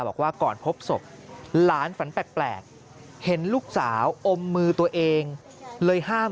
บอกว่าก่อนพบศพหลานฝันแปลกเห็นลูกสาวอมมือตัวเองเลยห้าม